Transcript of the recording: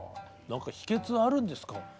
何か秘けつはあるんですか？